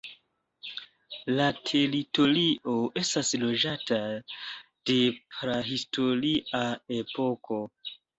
La teritorio estas loĝata de prahistoria epoko.